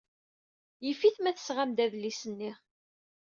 Yif-it ma tesɣam-d adlis-nni.